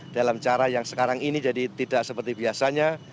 dalam cara yang sekarang ini jadi tidak seperti biasanya